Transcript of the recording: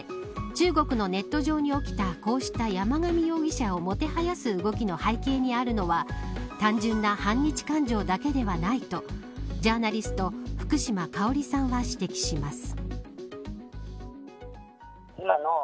中国のネット上に起きたこうした山上容疑者をもてはやす動きの背景にあるのは単純な反日感情だけではないとジャーナリスト福島香織さんは指摘します。